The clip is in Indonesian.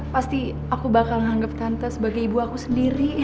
pasti aku bakal anggap tante sebagai ibu aku sendiri